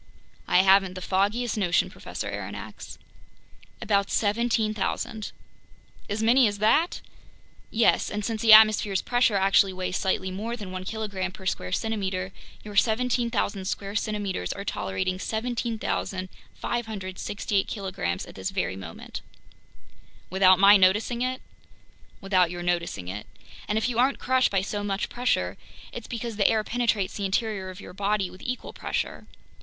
"I haven't the foggiest notion, Professor Aronnax." "About 17,000." "As many as that?" "Yes, and since the atmosphere's pressure actually weighs slightly more than one kilogram per square centimeter, your 17,000 square centimeters are tolerating 17,568 kilograms at this very moment." "Without my noticing it?" "Without your noticing it. And if you aren't crushed by so much pressure, it's because the air penetrates the interior of your body with equal pressure.